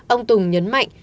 ông tùng nhấn mạnh